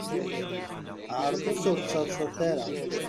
Ɛeṛḍet ur d-ttaḍsat ara.